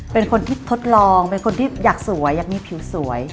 เป็นคนที่ทดลองเป็นคนที่อยากสวยอยากมีผิวสวย